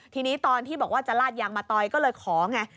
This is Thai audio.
ทีนี้ตอนที่บอกว่าจะลาดยางมะตอยก็เลยขอไง